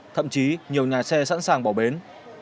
thậm chí nhiều nhà xe sẵn sàng bỏ bến